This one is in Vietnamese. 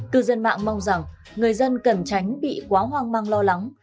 cư dân mạng mong rằng người dân cần tránh bị quá hoang mang lo lắng